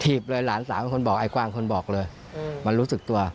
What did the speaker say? ีบเลยหลานสาวเป็นคนบอกไอ้กวางคนบอกเลยมันรู้สึกตัว